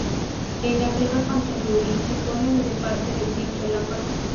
En la guerra contra Yuri, se pone de parte de Tigre Relámpago.